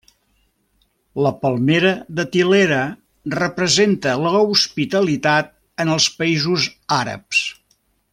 La palmera datilera representa l'hospitalitat en els països àrabs.